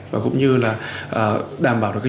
và cũng như là đảm bảo được